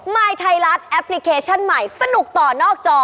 มายไทยรัฐแอปพลิเคชันใหม่สนุกต่อนอกจอ